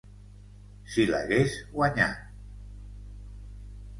Si l’hagués guanyat….